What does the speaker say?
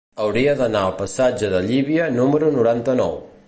Hauria d'anar al passatge de Llívia número noranta-nou.